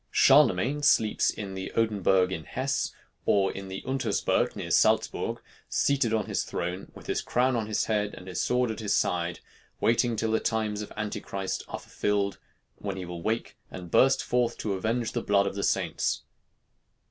Charlemagne sleeps in the Odenberg in Hess, or in the Untersberg near Salzburg, seated on his throne, with his crown on his head and his sword at his side, waiting till the times of Antichrist are fulfilled, when he will wake and burst forth to avenge the blood of the saints.